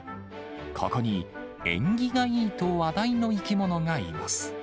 ここに、縁起がいいと話題の生き物がいます。